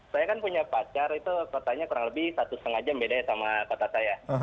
saya kan punya pacar itu kotanya kurang lebih satu setengah jam bedanya sama kota saya